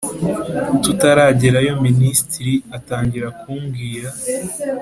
tutaragerayo minisititri atangira kumbwira